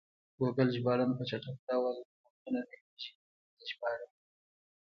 ګوګل ژباړن په چټک ډول متنونه له یوې ژبې بلې ته ژباړي.